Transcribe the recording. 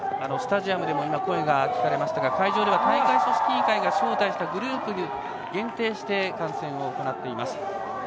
スタジアムでも、今声が聞かれましたが会場では大会組織委員会が招待したグループに限定して観戦を行っています。